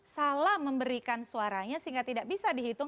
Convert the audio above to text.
salah memberikan suaranya sehingga tidak bisa dihitung